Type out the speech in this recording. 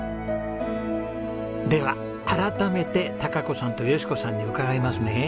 では改めて貴子さんと佳子さんに伺いますね。